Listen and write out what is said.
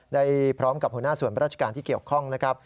ได้พร้อมกับหัวหน้าส่วนราชการที่เกี่ยวข้องนะครับ